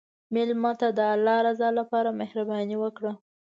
مېلمه ته د الله رضا لپاره مهرباني وکړه.